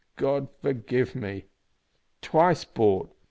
"God forgive me! Twice bought!